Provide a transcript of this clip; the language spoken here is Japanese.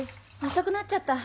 遅くなっちゃった。